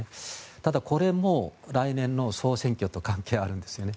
ただ、これも来年の総選挙と関係あるんですよね。